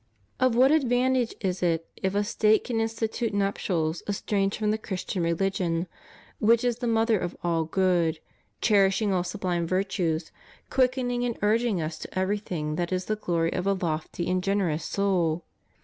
Of what advan tage is it if a State can institute nuptials estranged from the Christian religion, which is the mother of all good, cherishing all sublime virtues, quickening and urging us to everything that is the glory of a lofty and generous soul?